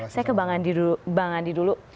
saya ke bang andi dulu